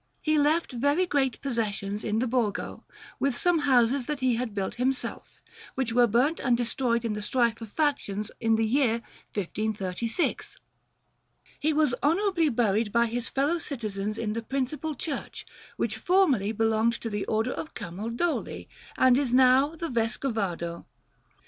He left very great possessions in the Borgo, with some houses that he had built himself, which were burnt and destroyed in the strife of factions in the year 1536. He was honourably buried by his fellow citizens in the principal church, which formerly belonged to the Order of Camaldoli, and is now the Vescovado.